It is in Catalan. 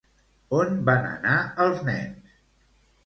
On van anar els nens?